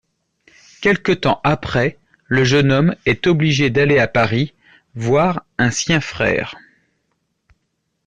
Quelque temps après, le jeune homme est obligé d'aller à Paris voir un sien frère.